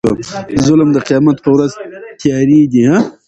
ظلم د قيامت په ورځ تيارې دي